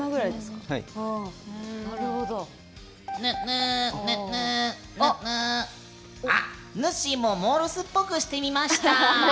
ぬー・ぬっ・ぬーぬっしーもモールスっぽくしてみました。